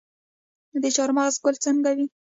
د چهارمغز ګل څنګه وي؟